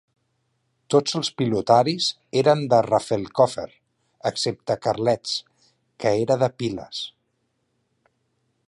Tots els pilotaris eren de Rafelcofer, excepte Carlets, que era de Piles.